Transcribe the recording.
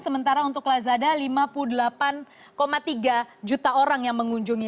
sementara untuk lazada lima puluh delapan tiga juta orang yang mengunjungi